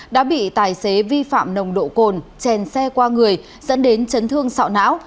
đã bị tài xế vi phạm nồng độ cồn chèn xe qua người dẫn đến chấn thương sọ não